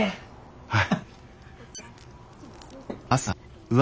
はい。